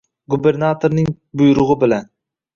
Gubernatorning buyrug'i bilan